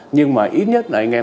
nhưng mà ít nhất là anh em